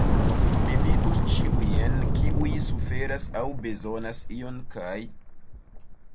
Mi vidus ĉiujn, kiuj suferas aŭ bezonas ion kaj.